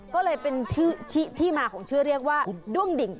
ก็เลยเป็นที่มาของชื่อเรียกว่าด้วงดิ่ง